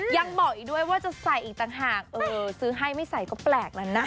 ยังบอกอีกด้วยว่าจะใส่อีกต่างหากซื้อให้ไม่ใส่ก็แปลกแล้วนะ